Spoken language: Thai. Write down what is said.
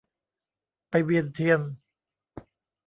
ไปเวียนเทียน